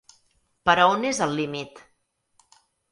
Però on és el límit?